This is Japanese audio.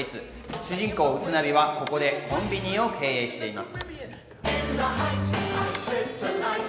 主人公・ウスナビはここでコンビニを経営しています。